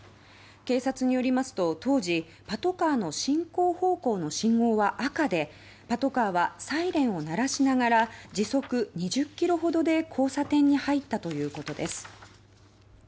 警察によりますと当時、パトカーの進行方向の信号は赤でパトカーはサイレンを鳴らしながら時速２０ｋｍほどで交差点に入ったということです。